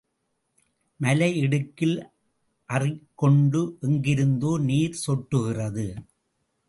மலை இடுக்கில் அறிக்கொண்டு எங்கிருந்தோ நீர் சொட்டுகிறது.